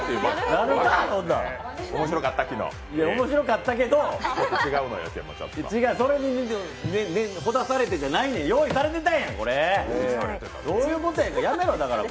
面白かったけど違う、それにほだされたじゃないねん、用意されてたんや、これ、どういうことやねん、やめろや。